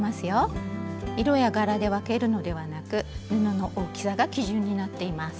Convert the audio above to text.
色や柄で分けるのではなく布の大きさが基準になっています。